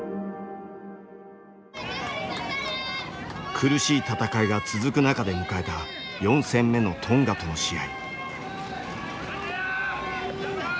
苦しい戦いが続く中で迎えた４戦目のトンガとの試合。